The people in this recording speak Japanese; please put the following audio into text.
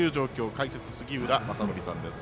解説、杉浦正則さんです。